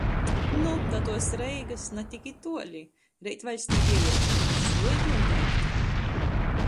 Nu, da tuos Reigys na tik i tuoli. Reit vaļstī vieliešonys. Juoīt nūteikti!